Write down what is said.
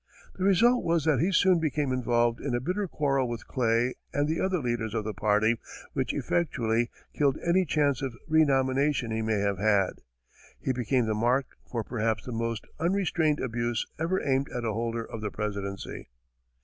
The result was that he soon became involved in a bitter quarrel with Clay and the other leaders of the party, which effectually; killed any chance of renomination he may have had. He became the mark for perhaps the most unrestrained abuse ever aimed at a holder of the presidency.